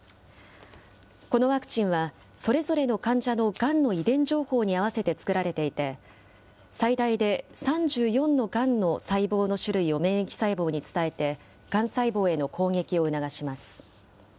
このワクチンは、それぞれの患者のがんの遺伝情報に合わせて作られていて、最大で３４のがんの細胞の種類を免疫細胞に伝えて、がん細胞への攻撃を促します。